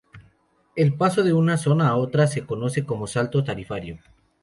El paso de una zona a otra se conoce como salto tarifario.